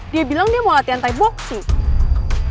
dia bilang dia mau latihan thai boxing